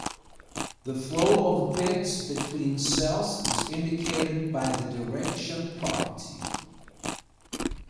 The flow of bits between cells is indicated by the direction property.